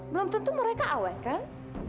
belum tentu mereka awet kan